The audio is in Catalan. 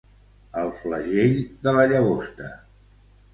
El flagell de la llagosta.